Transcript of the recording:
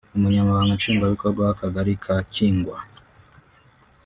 Umunyamabanga Nshingwabikorwa w’Akagali ka Kingwa